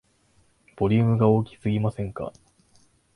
ボリュームが大きすぎませんか